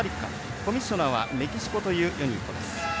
コミッショナーはメキシコというユニットです。